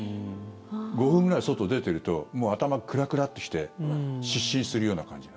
５分ぐらい外に出てると頭クラクラッとして失神するような感じ。